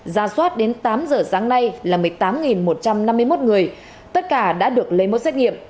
ra soát đến tám giờ sáng nay là một mươi tám một trăm năm mươi một người tất cả đã được lấy mẫu xét nghiệm